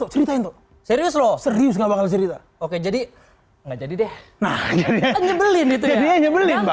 serius lo serius nggak bakal cerita oke jadi nggak jadi deh nah jadi